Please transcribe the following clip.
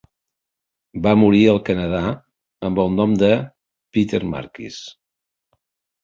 Va morir al Canadà amb el nom de Peter Markis.